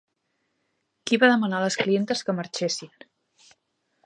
Qui va demanar a les clientes que marxessin?